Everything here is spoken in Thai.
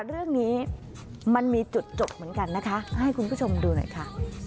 เรื่องนี้มันมีจุดจบเหมือนกันนะคะให้คุณผู้ชมดูหน่อยค่ะ